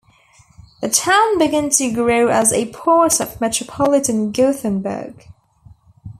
The town began to grow as a part of Metropolitan Gothenburg.